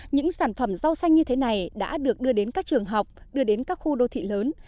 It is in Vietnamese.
những sản phẩm rau xanh như thế này đã được đưa đến các trường học đưa đến các khu đô thị lớn